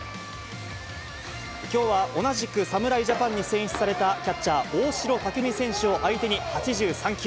きょうは同じく侍ジャパンに選出されたキャッチャー、大城卓三選手を相手に８３球。